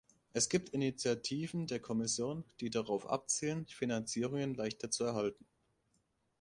Es gibt Initiativen der Kommission, die darauf abzielen, Finanzierungen leichter zu erhalten.